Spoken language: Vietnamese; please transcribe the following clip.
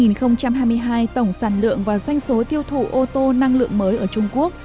năm hai nghìn hai mươi hai tổng sản lượng và doanh số tiêu thụ ô tô năng lượng mới ở trung quốc